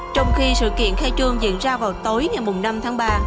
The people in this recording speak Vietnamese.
trong khi sự kiện khai trương diễn ra vào tối ngày năm tháng ba